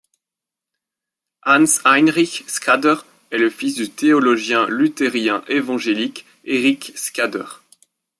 Hans Heinrich Schaeder est le fils du théologien luthérien-évangélique Erich Schaeder.